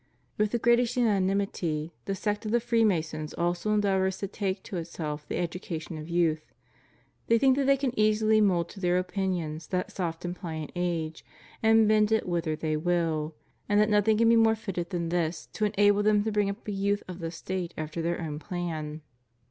With the greatest unanimity the sect of the Freemasons also endeavors to take to itself the education of youth. They think that they can easily mould to their opinions that soft and pliant age, and bend it whither they will; and that nothing can be more fitted than this to enable them to bring up the youth of the State after their own plan.